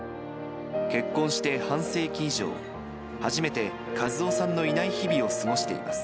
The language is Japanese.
結婚して半世紀以上、初めて和雄さんのいない日々を過ごしています。